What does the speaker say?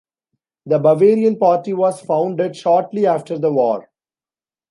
The Bavarian Party was founded shortly after the war.